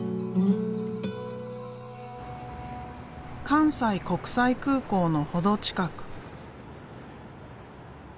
関西国際空港の程近く。